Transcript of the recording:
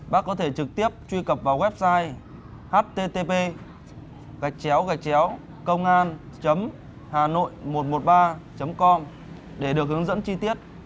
bác có thể trực tiếp truy cập vào website http congan hanoi một trăm một mươi ba com để được hướng dẫn chi tiết